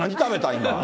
今。